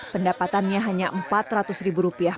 pendapatannya hanya empat ratus ribu rupiah